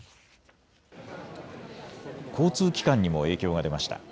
交通機関にも影響が出ました。